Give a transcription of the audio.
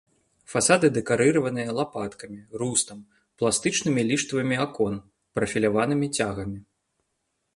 Фасады дэкарыраваныя лапаткамі, рустам, пластычнымі ліштвамі акон, прафіляванымі цягамі.